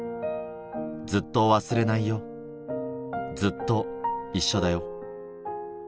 ずっと忘れないよ、ずっと一緒だよ。